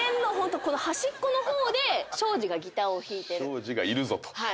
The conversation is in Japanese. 庄司がいるぞと。